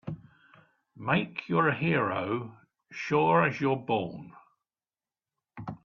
Make you're a hero sure as you're born!